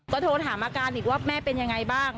ก็โทรถามอาการอีกว่าแม่เป็นยังไงบ้าง